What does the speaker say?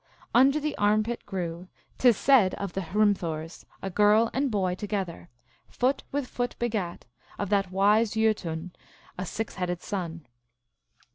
" Under the armpit grew, t is said of the Hritnthurs, a girl and boy together ; foot with foot begat, of that wise Jbtun, a six headed son."